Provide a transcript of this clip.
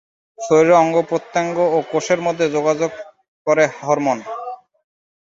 শরীরের অঙ্গ প্রত্যঙ্গ ও কোষের মধ্যে যোগাযোগ করে হরমোন।